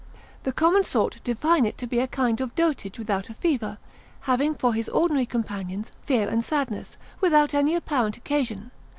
The common sort define it to be a kind of dotage without a fever, having for his ordinary companions, fear and sadness, without any apparent occasion.